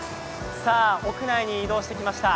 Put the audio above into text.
さあ、屋内に移動してきました。